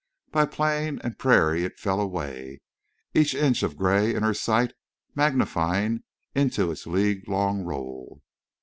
By plain and prairie it fell away, each inch of gray in her sight magnifying into its league long roll.